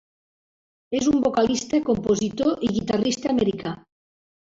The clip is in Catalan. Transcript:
És un vocalista, compositor, i guitarrista Americà.